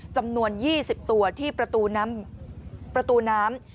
จำนวน๒๐ตัวที่ประตูน้ำ